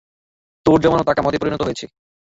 তোর জমানো টাকা মদে পরিণত হয়েছে।